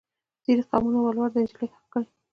ځینې قومونه ولور د نجلۍ حق ګڼي.